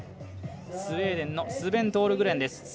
スウェーデンのスベン・トールグレンです。